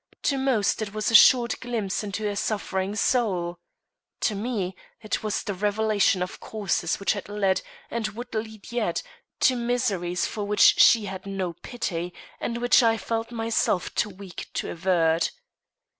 To most it was a short glimpse into a suffering soul. To me it was the revelation of causes which had led, and would lead yet, to miseries for which she had no pity, and which I felt myself too weak to avert.